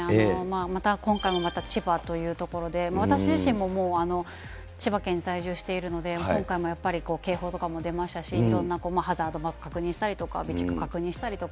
また今回もまた、千葉という所で、私自身も千葉県に在住しているので、今回もやっぱり警報とかも出ましたし、いろんなハザードマップ確認したりとか、備蓄確認したりとか。